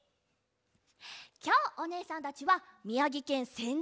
きょうおねえさんたちはみやぎけんせん